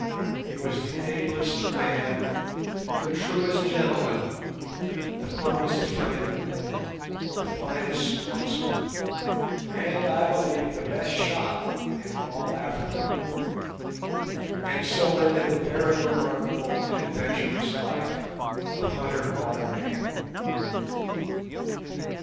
He was the ablest man, the truest gentleman, the firmest friend, the finest sportsman, and, I believe, the best shot in all Africa. And so ended the very remarkable and adventurous life of Hunter Quatermain.